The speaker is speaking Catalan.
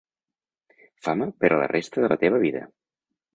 Fama per a la resta de la teva vida!